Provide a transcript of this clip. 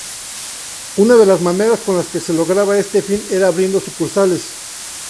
Una de las maneras con las que se lograba este fin era abriendo sucursales.